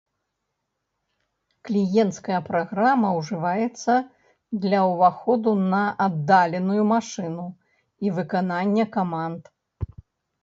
Кліенцкая праграма ўжываецца для ўваходу на аддаленую машыну і выканання каманд.